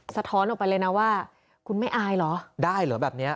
สะท้อนออกไปเลยนะว่าคุณไม่อายเหรอได้เหรอแบบเนี้ย